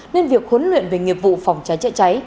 nên việc huấn luyện về nghiệp vụ phòng cháy chữa cháy